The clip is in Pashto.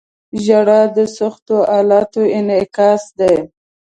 • ژړا د سختو حالاتو انعکاس دی.